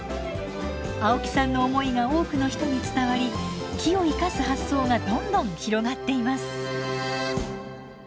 青木さんの思いが多くの人に伝わり木を生かす発想がどんどん広がっています。